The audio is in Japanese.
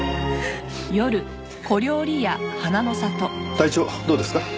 体調どうですか？